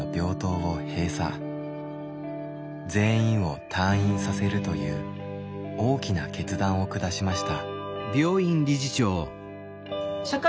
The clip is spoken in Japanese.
全員を退院させるという大きな決断を下しました。